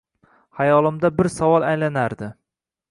Xayolimni bir savol aylanardi